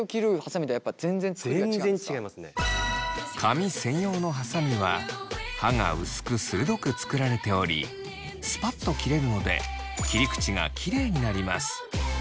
普通の髪専用のはさみは刃が薄く鋭く作られておりスパッと切れるので切り口がきれいになります。